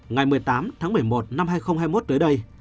ngày một mươi tám tháng một mươi một năm hai nghìn hai mươi một tới đây